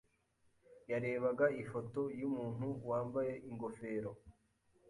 yarebaga ifoto yumuntu wambaye ingofero.